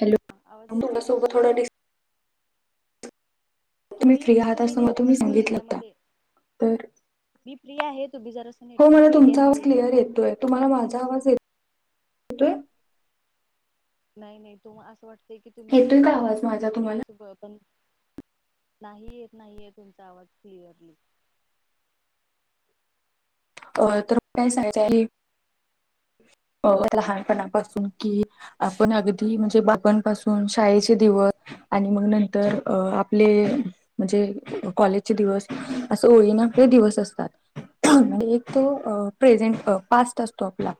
Hello. आवाज येतोय माझा तुम्ही फ्री आहात अस, मग तुम्ही सांगितलंत आता. तर, मी फ्री आहे तुम्ही जर असं हो मला नेटवर्क तुमचा आवाज एरियामध्ये येता क्लिअर का येतोय. तुम्हाला माझा आवाज येतोय? नाही नाही तु असं वाटतय की, तुम्ही येतोय का अं आवाज कुठ माझा तरी तुम्हाला असं पण नाही येत, नाहीये. तुमचा आवाज क्लिअरली. अं तर काय सांगयचं आहे, अं लहानपणापासून कि आपण अगदी म्हणजे बाप्पांपासून, शाळेचे दिवस. आणि मग नंतर अं आपले म्हणजे कॉलेजचे दिवस, अस ओळीनं ते दिवस असतात, [unintelligible] तो प्रेझेंट, पास्ट असतो आपला.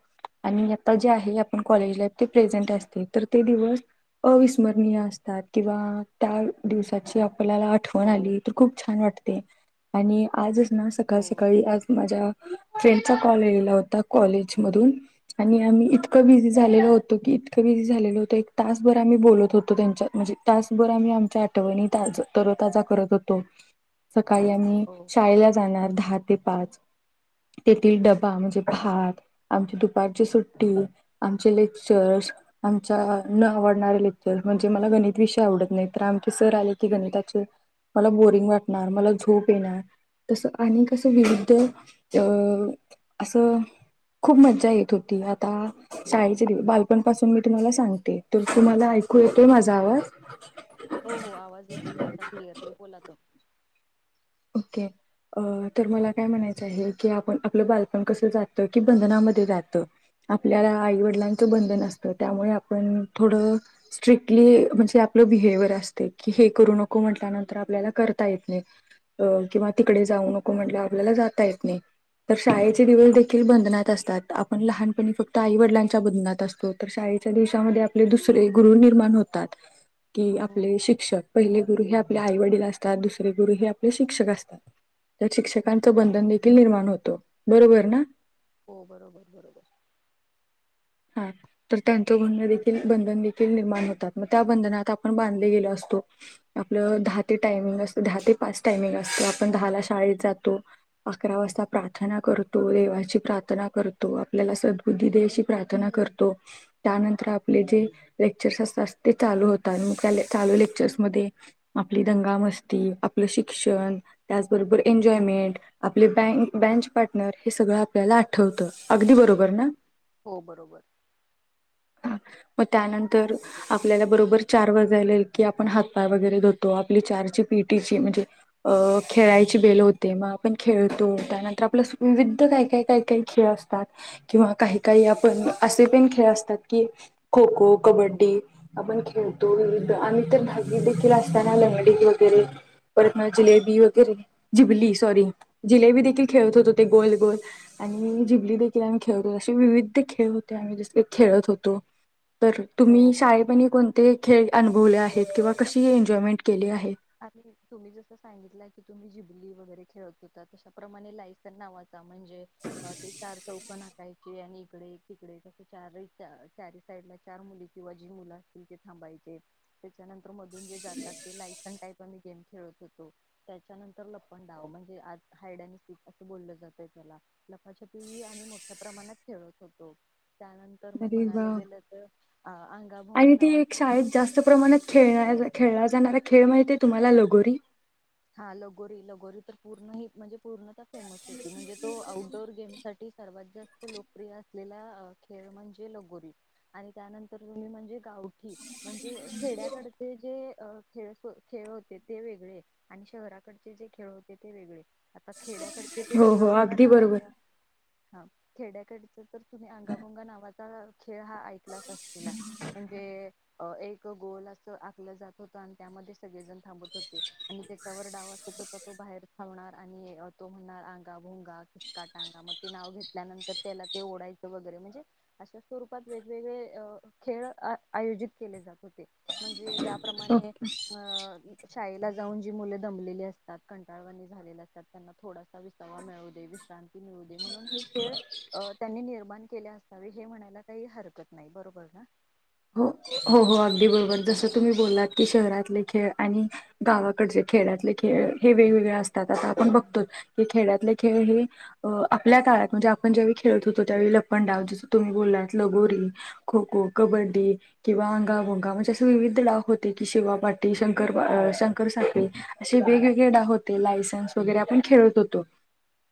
आणि आता जे आहे आपण कॉलेजला ते प्रेझेंट असते, तर ते दिवस अविस्मरणीय असतात, किंवा त्या दिवसाची आपल्याला आठवण हो आली तर खूप छान वाटतेय, आणि आजच ना, सकाळ हो सकाळी आज माझ्या फ्रेंडचा कॉल येलेला होता, कॉलेज मधून. आणि आम्ही इतकं बिझी झालेलो होतो, की इतकं बिझी झालेलं होतं, एक तासभर आम्ही बोलत होतो, त्यांच्या म्हणजे तासभर आम्ही आमच्या आठवणी [unintelligible] करत होतो, सकाळी हम्म, हो शाळेला जाणार दहा ते पाच. तेथील डबा म्हणजे भात, आमची दुपारची सुट्टी, आमचे लेक्चर्स आमच्या न आवडणारे लेक्चर, म्हणजे मला गणित विषय आवडत नाही, तर आमचे सर आले की गणिताचे मला बोरिंग वाटणार, मला झोप येणार, तसं अनेक असं विविध अ असं खूप मज्जा येत होती, आता हो हो शाळेचे दिवस बाल पण पासून मी तुम्हाला सांगते, तर तुम्हाला ऐकू हो येतोय ठीक माझा आहे आवाज? हो हो, आवाज येतोय तुमचा क्लिअरली, बोला तुम्ही. ओके. अं तर मला काय म्हणायचं आहे, की आपण आपलं बालपण कसं जात? की बंधनामध्ये जातं. आपल्याला आईवडिलांचं बंधन असतं, त्यामुळे आपण थोडं स्ट्रिकली म्हणजे आपलं बिहेविअर असतय. की हे करू नको म्हटल्यानंतर आपल्याला करता येत नाही. अ किंवा तिकडे जाऊ नको म्हटलं आपल्याला जाता येत नाही. तर शाळेचे दिवस देखील बंधनात असतात, आपण लहानपणी फक्त आई वडिलांच्या बंधनात असतो. तर शाळेच्या दिवसामध्ये हो आपले दुसरे गुरु निर्माण होतात. कि हो आपले शिक्षक. पहिले गुरु हे आपले आई वडील असतात, दुसरे गुरु हे आपले शिक्षक असतात. त्यात हो शिक्षकांचं बंधन देखील निर्माण होतो, बरोबर ना? हो बरोबर बरोबर. हां, तर त्यांचं बंद देखील बंधन देखील निर्माण होतात, मग त्या बंधनात आपण बांधले गेलो असतो. आपलं दहा ते टायमिंग असत, दहा ते पाच टायमिंग असतं, आपण दहाला शाळेत जातो. अकरा वाजता प्रार्थना करतो, देवाची प्रार्थना करतो, आपल्याला सद्बबूद्धी दे अशी प्रार्थना करतो. त्यानंतर आपले जे लेक्चर्स असतात ते चालू होतात. मग त्या चालू लेक्चर्समध्ये आपली दंगा मस्ती, आपलं शिक्षण, त्याचबरोबर एन्जॉयमेंट आपले बँक बँच पार्टनर, हे सगळं आपल्याला आठवतं, अगदी बरोबर ना? हो बरोबर. हा, मग त्यानंतर आपल्याला बरोबर चार वाजायला आले, की आपण हातपाय वगैरे धुतो. आपली चारची पिटीची म्हणजे अ खेळायची बेल होते, मग आपण खेळतो. त्यानंतर आपलं विविध काय काय काय काही खेळ असतात, किंवा काही काही आपण असे पण खेळ असतात की, खो खो, कबड्डी आपण खेळतो. विविध आणि तर धागी देखील असताना लंगडी वगैरे परत ना जिलेबी वगैरे जिबली सॉरी जिलेबी देखील खेळत होतो ते गोल गोल. आणि जिबली देखील आम्ही खेळत होत. अशी विविध ते खेळ होते. आम्ही जस खेळत होतो. तर हो तुम्ही शाळेमध्ये कोण ते खेळ अनुभवले आहेत किंवा कशी एन्जॉयमेंट केली आहे? आम्ही? तुम्ही जसं सांगितला की, तुम्ही जिबली वगैरे खेळत होता, तशाप्रमाणे लाईफ त्या नावाचा म्हणजे, अ ते चार चौकोण आकायचे आणि इकडे एक तिकडे एक अ सं चारही चार साईड ला चार मुली किंवा जी मुलं असतील ते थांबायचे. त्याच्यानंतर मधून जे जातात ते लाईफ अन काही पण गेम खेळत होतो. त्याच्यानंतर लपंडाव, म्हणजे आज हाईड आणि सिक असं बोललं जातं त्याला. लपाछपी आम्ही मोठ्या प्रमाणात खेळत होतो. त्यानंतर तर मग अरे म्हणायला वा! गेलं तर अंगा आणि ती एक शाळेत जास्त प्रमाणात खेळ खेळला जाणारा खेळ माहिती आहे तुम्हाला? लगोरी. हा लगोरी. लगोरी तर पूर्ण ही म्हणजे पुर्णता फेमस होती. म्हणजे तो आउटडोर गेम साठी सर्वात जास्त त लोकप्रिय असलेला खेळ म्हणजे लगोरी. आणि त्यानंतर जुनी म्हणजे गावकी. म्हणजे खेड्याकडचे जे खेळ, खेळ होते ते वेगळे. आणि शहराकडचे जे खेळ होते ते वेगळे. आता खेड्याकडचे ते हो, हो. अंगाभोंगा अगदी बरोबर. नावाचा, हा खेड्याकड तर तुम्ही अंगाभोंगा नावाचा खेळ हा ऐकलाच अशीला. म्हणजे अ एक गोल अस आखला जात होता. आणि त्यामध्ये सगळेजण थांबत होते. आणि त्याच्यावर डाव असतो तर तो बाहेर थांबणार आणि तो म्हणणार अंगा भोंगा किसका टांगा. मग ते नाव घेतल्यानंतर त्याला ते ओढायचं वगैरे म्हणजे अशा स्वरूपात वेगवेगळे अ खेळ आयोजित केले जात होते, म्हणजे त्याप्रमाणे ओके. अं शाळेला जाऊन जी मुले दमलेली असतात, कंटाळवणी झालेली असतात, त्यांना थोडासा विसावा मिळू दे विश्रांत ती मिळू दे, म्हणून हे खेळ अ त्यांनी निर्माण केले असावे, हे म्हणायला काही हरकत नाही. बरोबर ना? हो, हो, हो. अगदी बरोबर. जसं तुम्ही बोललात की शहरातले खेळ आणि गावाकडचे खेड्यातले खेळ, हे वेगवेगळे असतात. आता आपण बघतो हे खेड्यातले खेळ हे अ आपल्या काळात म्हणजे, आपण ज्यावेळी खेळत होतो त्यावेळी लपंडाव, जसं तुम्ही बोललात लगोरी खो-खो, कबड्डी किंवा अंगाभोंगा. म्हणजे असे विविध डाव होते की, शिवापाटी, शंकर शंकरसाखळी असे वेगवेगळे डाव होते. लायसन्स वगैरे आपण खेळत होतो.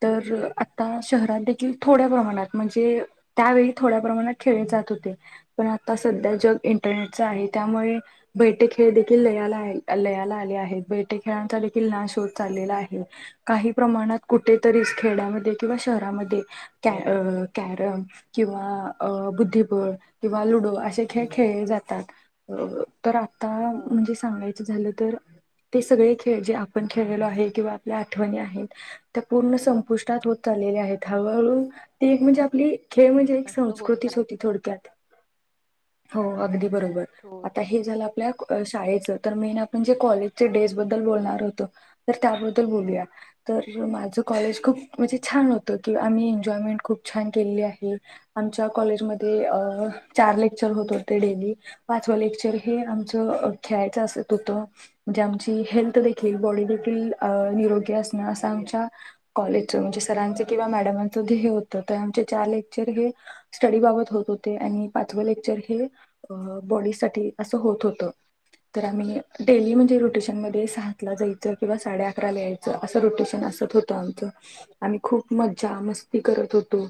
तर आता शहरात देखील थोड्या प्रमाणात म्हणजे त्यावेळी थोड्या प्रमाणात खेळले जात होते. पण आता सध्या जग इंटरनेटचं आहे. त्यामुळे बैठे खेळ देखील लयाला लयाला आले आहेत. बैठे खेळांचा देखील नाश होत चाललेला आहे. काही प्रमाणात, कुठेतरी खेड्यामध्ये किंवा शहरामध्ये कॅरम किंवा अ बुद्धिबळ किंवा लुडो असे खेळ खेळले जातात. तर आता, हो म्हणजे सांगायचं झालं तर ते सगळे खेळ, जे आपण खेळलेलो आहे किंवा आपल्या आठवणी आहेत त्या पूर्ण संपुष्टात होत चाललेल्या आहेत. हळूहळू, ती एक म्हणजे आपली खेळ म्हणजे एक नष्ट होत संस्कृतीच होती थोडक्यात. हो, अगदी बरोबर. नाहीत रोज आता हे हे झालं आपल्या शाळेचं. तर मेन आपण जे कॉलेजचे डेज बद्दल बोलणार होतो तर त्याबद्दल बोलूया. तर माझं कॉलेज खूप म्हणजे छान होत की, आम्ही एन्जॉयमेंट खूप छान केली आहे. आमच्या कॉलेजमध्ये अ चार लेक क्चर होत होते डेली. पाचवा लेक्चर हे आमचं खेळायचं असत होतं. म्हणजे आमची हेल्थ देखील, बॉडी देखील निरोगी असणं असं आमच्या कॉलेजच म्हणजे सरांचं किंवा मॅडमांच ध्येय होतं. तर आमचे चार लेक्चर हे स्टडी बाबत होत होते. आणि पा चव लेक्चर हे बॉडी साठी असं होत होतं. तर आम्ही डेली म्हणजे, रोटेशनमध्ये सातला जायचं किंवा साडे अकराला यायचं. असं रोटेशन असत होतं आमचं. आम्ही खूप मज्जा मस्ती करत होतो.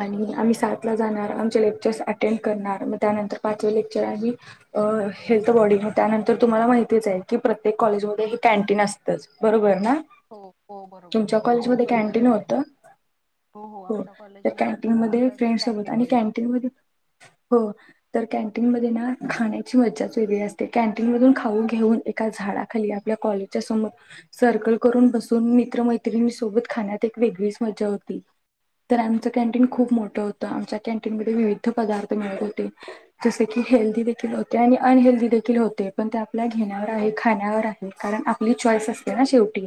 आणि आम्ही सातला जाणार, आमचे लेक्चर्स अटेंड करणार. मग त्यानंतर पाचवे लेक्चर आम्ही अ हेल्थ, बॉडी. मग त्यानंतर तुम्हाला माहितीच आहे की प्रत्येक कॉलेजमध्ये हे कॅन्टीन असतं. बरोबर ना? हो हो बरोबर तुमच्या प्रत्येक कॉलेजमध्ये कॅन्टीन होतं? हो, आमच्या त्या कॉलेजमध्ये कॅन्टीन खूप मध्ये मोठं असं फ्रेंड सोबत कॅन्टीन आणि होतं कॅन्टीन मध्ये हो तर कॅन्टीन मध्ये ना खाण्याची मज्जाच वेगळी असते. कॅन्टीन मधून खाऊन घेऊन एका झाडाखाली आपल्या कॉलेज च्या समोर सर्कल करून बसून मित्र-मैत्रिणी सोबत खाण्यात एक वेगळीच मज्जा होती. तर आमचं कॅन्टीन खूप मोठं होतं. आमच्या कॅन्टीनमध्ये विविध पदार्थ मिळत होते. जसे की हेल्दी देखील होते आणि अन हेल्दी देखील होते. पण ते आपल्या घेण्यावर आहे खाण्यावर आहे. कारण आपली चॉईस असते ना शेवटी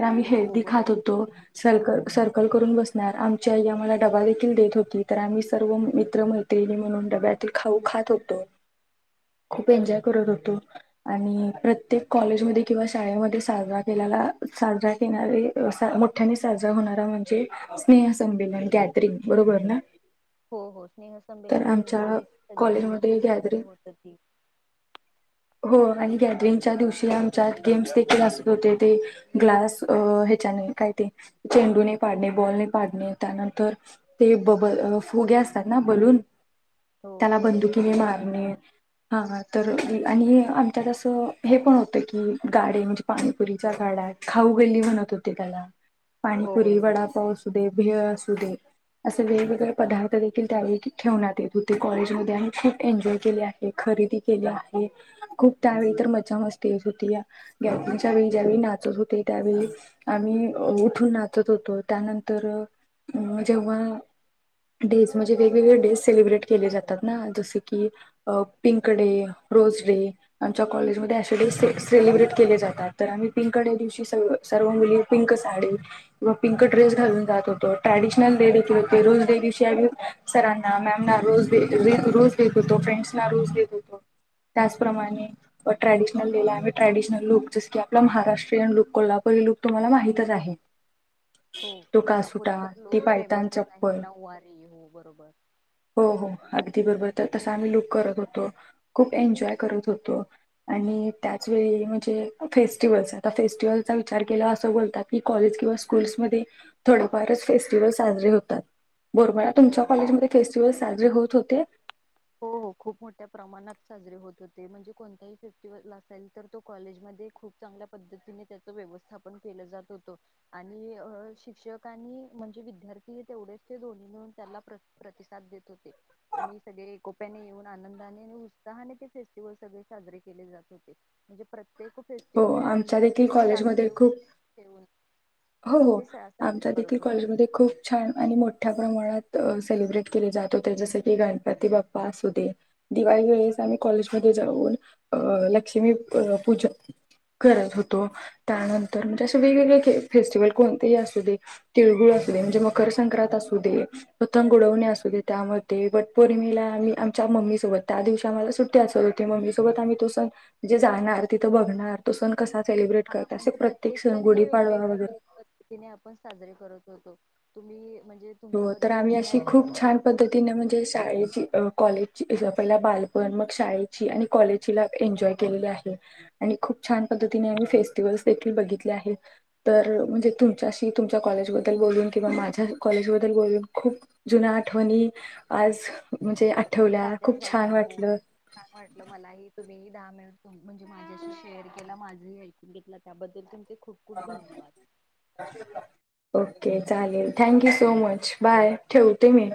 तर आम्ही हो हेल्दी बरोबर खात होतो. सरक सर्कल करून बसणार आमच्या आई आम्हाला डबा देखील देत होती तर आम्ही सर्व मित्र मै तेनी म्हणून डब्यातील खाऊ खात होतो. खूप एन्जॉय करत होतो. आणि प्रत्येक कॉलेजमध्ये किंवा शाळेमध्ये साजरा केलेला. साजरा केणारे असा मोठ्याने साजरा होणारा म्हणजे स्नेह संंमेलन, गॅदरिंग बरोबर ना? हो, हो स्नेह तर संंमेलन म्हणजे आमच्या आले की सगळे मुले कॉलेजमध्ये खुश वगैरे गॅदरिंग होत ती. हो आणि गॅदरिंगच्या दिवशी आमच्यात गेम्स देखील असत होते ते ग्लास अ ह्याच्याने काय ते चेंडू ने पाडणे बॉल पाडणे त्यानंतर ते बबल फुगे असतात ना बलून, हो त्याला बरोबर बंदुकीने मारणे. हा, हां तर आणि हे आमच्यातं असं हे पण होतं की, गाडी म्हजी पाणीपुरीच्या गाडा खाऊ गल्ली म्हणत होते त्याला. हो पाणीपुरी बरोबर वडापाव असू दे, भेळ असू दे असे वेगवेगळे पदार्थ देखील त्यावेळी ठेवण्यात येत होते. कॉलेजमध्ये आम्ही खूप एन्जॉय केले आहे. खरेदी केली आहे. खूप त्यावेळी तर मजा मस्ती येत होती. या गॅदररिंगच्या वेळी ज्यावेळी नाचत हो ते त्यावेळी आम्ही उठून नाचत होतो. त्यानंतर जेव्हा डेज म्हजे वे वेगवेगळे डेथ सेलिब्रेट केले जातात ना जसे की पिंक डेज रोज डेज आमच्या कॉलेजमध्ये अशे डेज सती सेलिब्रेट केले जातात. तर आम्ही पिंक डे दिवशी सगळं सर्व मुली पिंक साडी व पिंक ड्रेस घालून जात होतो. ट्रॅडिशनल डे देखील होते. रोझ डे दिवशी आम्ही सरांना, मॅम ना रोझ देत, रोझ देत होतो. फ्रेंडस ना रोझ देत होतो. त्याचप्रमाणे व ट्रॅडिशनल डेला, ट्रॅडीशनल लुक जसं की आपला महाराष्ट्रीयन लुक, कोल्हापूरी लुक तुम्हांला माहितच आहे. [inaudible] हो, कोल्हापूरी कासुटा तर ती लूक पायतान फेमसच आहे. चप्पल नऊवारी यू बरोबर. हो, हो अगदी बरोबर. तर तसा आम्ही लुक करत होतो. खूप एन्जॉय करत होतो. आणि त्याचवेेळी म्हणजे फेस्टिवल्स आता फेस्टिवलचा विचार केल्यावर असं बोलतात की कॉलेज किंवा स्कूल्स मध्ये थोडं फारच फेस्टिवल साजरे होतात. बोरबाळा हो तुमच्या कॉलेजमध्ये फेस्टिवल साजरे होत होते. हो, हो खूप मोठ्या प्रमाणात साजरे होत होते. म्हणजे कोणताही फेस्टिवल असाल तर तो कॉलेजमध्ये खूप चांगल्या पद्धतीने त्याच व्यवस्थापन केलं जात होतं. आणि शिक्षक आणि म्हणजे विद्यार्थी तेवढेच ते दोन्ही मिळून त्याला प्र प्रतिसाद देत होते. आणि सगळे कोप्याने येऊन आनंदाने आणि उत्साहाने ते फेस्टिवल सगळे साजरे केले जात होते. को म्हणजे प्रत्येक हो, फेस्टिवलच्या मागे आमच्या देखील काहीतरी कॉलेजमध्ये चांगले ऊ खूप ठेऊन हो, हो आमच्या देखील कॉलेजमध्ये खूप छान आणि मोठ्या प्रमाणात सेलिब्रेट केले जात होते. जसं की गणपती बाप्पा असुदे. दिवाळी वेळेस आम्ही कॉलेजमध्ये जाऊन अ लक्ष्मी पूजन करत होतो. त्यानंतर म्हणजे असे वेगवेगळे फेस्टिवल कोणते ही असू दे. तिळगुळ असू दे म्हणजे मकर संक्रांत असू दे पतंग उडवणे असू दे त्यामध्ये वट पौर्णिमेला आम्ही आमच्या मम्मी सोबत त्या दिवशी आम्हाला सुट्टी असत हो. मम्मी सोबत आम्ही तस म्हणजे जाणार तिथं बघणार तोस कसा सेलिब्रेट हा करत असे म्हणजे प्रत्येक सण गुढीपाडवा वगैरे तिने आपण साजरे करत होतो तुम्ही म्हणजे हो तर तुमच्याबद्दल आम्ही जे अशी काही खूप अनुभव छान होता पद्धती तिने म्हणजे शाळेची कॉलेजची पहिल्या बालपण मग शाळेची आणि कॉलेज एन्जॉय केलेले आहे आणि खूप छान पद्धतीने आम्ही फेस्टिवल्स देखील बघितले आहेत. तर म्हणजे तुमच्याशी तुमच्या कॉलेजबद्दल बोलून किंवा माझ्या कॉलेजबद्दल बोलून खूप जुन्या आठवणी आज म्हणजे आठवल्या ताज्या खूप छान झाल्या हो. वाटलं. छान वाटलं मलाही तुम्ही दहा मिनिट म्हणजे माझ्याशी शेअर केला माझ हे ऐकून घेतला त्याबद्दल तुमचे खूप खूप ह धन्यवाद. ओके चालेल thank you so much bye ठेवते मी